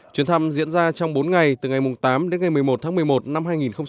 chuyến thăm diễn ra trong bốn ngày từ ngày tám đến ngày một mươi một tháng một mươi một năm hai nghìn một mươi tám